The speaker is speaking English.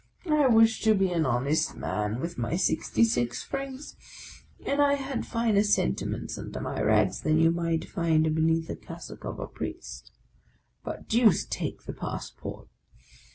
I wished to be an honest man with 74 THE LAST DAY my sixty six francs; and I had finer sentiments under my rags than you might find beneath the cassock of a priest. But deuce take the passport